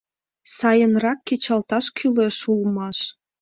Сайынрак кечалташ кӱлеш улмаш...